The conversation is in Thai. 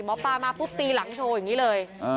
หมอปลามาปุ๊บตีหลังโชว์อย่างนี้เลย